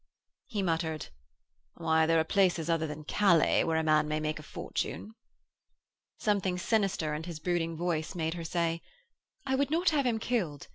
He muttered: 'Why, there are places other than Calais where a man may make a fortune.' Something sinister in his brooding voice made her say: 'I would not have him killed.